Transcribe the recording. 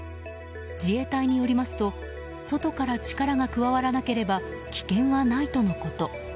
自衛隊によりますと外から力が加わらなければ危険はないとのこと。